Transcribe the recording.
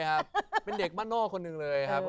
ครับเป็นเด็กบ้านนอกคนหนึ่งเลยครับ